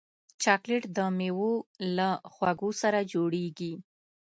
چاکلېټ د میوو له خوږو سره جوړېږي.